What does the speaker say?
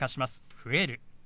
「増える」。